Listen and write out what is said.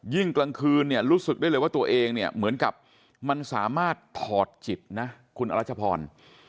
ยิ่งกลางคืนรู้สึกได้เลยว่าตัวเองเหมือนกับมันสามารถถอดจิตนะคุณอรัชพร